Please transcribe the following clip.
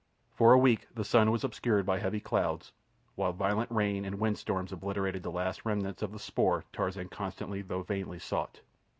For a week the sun was obscured by heavy clouds, while violent rain and wind storms obliterated the last remnants of the spoor Tarzan constantly though vainly sought.